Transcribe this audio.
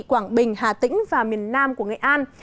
quảng bình hà tĩnh và miền nam của nghệ an